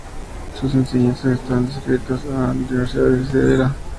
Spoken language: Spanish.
Sus enseñanzas estaban adscritas a la Universidad de Cervera.